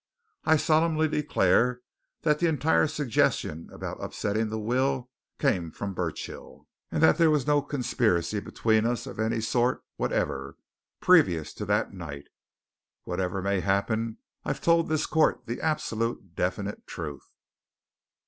I solemnly declare that the entire suggestion about upsetting the will came from Burchill, and that there was no conspiracy between us of any sort whatever previous to that night. Whatever may happen, I've told this court the absolute, definite truth!"'"